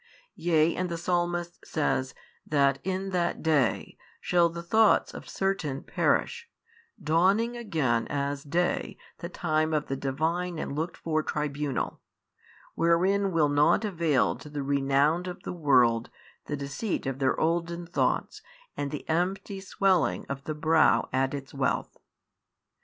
yea and the Psalmist says that in that day shall the thoughts of certain perish, donning again as day the time of the Divine and looked for Tribunal, wherein will nought avail to the renowned of the world the deceit of their olden thoughts and the empty swelling of the brow at its wealth.